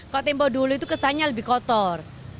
kalau tempo dulu itu kesannya lebih kotor